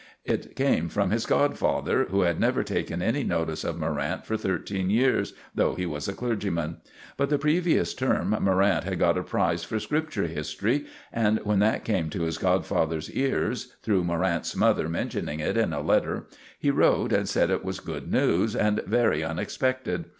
It came from his godfather, who had never taken any notice of Morrant for thirteen years, though he was a clergyman. But the previous term Morrant had got a prize for Scripture history, and when that came to his godfather's ears, through Morrant's mother mentioning it in a letter, he wrote and said it was good news, and very unexpected.